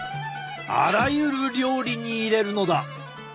あらゆる料理に入れるのだ！